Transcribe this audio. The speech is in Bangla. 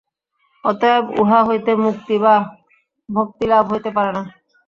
অতএব উহা হইতে মুক্তি বা ভক্তিলাভ হইতে পারে না।